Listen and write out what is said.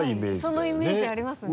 はいそのイメージありますね。